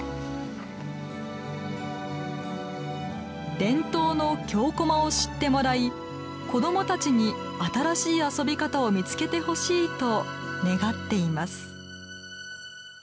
伝統の京こまを知ってもらい子どもたちに新しい遊び方を見つけてほしいと願っています。